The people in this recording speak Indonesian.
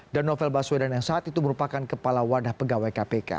dan novel baswedan yang saat itu merupakan kepala wadah pegawai kpk